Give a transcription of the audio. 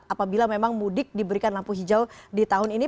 apabila memang mudik diberikan lampu hijau di tahun ini